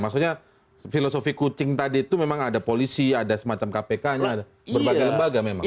maksudnya filosofi kucing tadi itu memang ada polisi ada semacam kpk nya ada berbagai lembaga memang